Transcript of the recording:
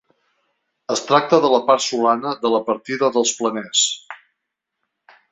Es tracta de la part solana de la partida dels Planers.